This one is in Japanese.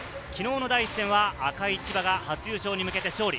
昨日の第１戦、赤い千葉が初優勝に向けて勝利。